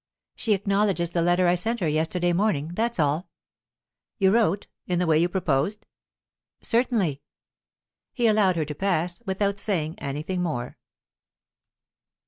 "She acknowledges the letter I sent her yesterday morning, that's all." "You wrote in the way you proposed?" "Certainly." He allowed her to pass without saying anything more.